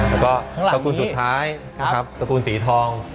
แล้วก็ตระกูลสุดท้ายนะครับตระกูลสีทอง